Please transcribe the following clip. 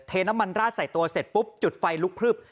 น้ำมันราดใส่ตัวเสร็จปุ๊บจุดไฟลุกพลึบ